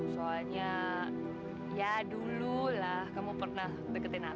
soalnya ya dululah kamu pernah deketin aku